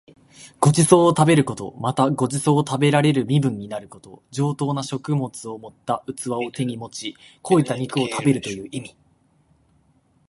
ご馳走を食べること。また、ご馳走を食べられる身分になること。上等な食物を盛った器を手に持ち肥えた肉を食べるという意味。